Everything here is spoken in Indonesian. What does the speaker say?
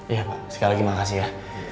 iya pak sekali lagi makasih ya